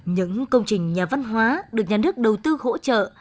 những công trình nhà văn hóa được nhà nước đầu tư hỗ trợ